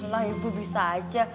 lah ibu bisa aja